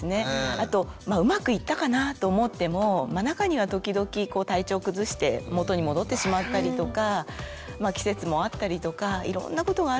あとうまくいったかなぁと思っても中には時々体調崩して元に戻ってしまったりとか季節もあったりとかいろんなことがあるんです。